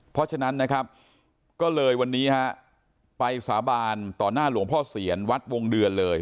เพราะฉะนั้นนะครับก็เลยวันนี้ฮะไปสาบานต่อหน้าหลวงพ่อเสียรวัดวงเดือนเลย